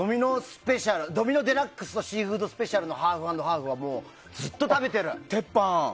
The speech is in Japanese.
ドミノデラックスとシーフードスペシャルのハーフ＆ハーフはずっと食べてる。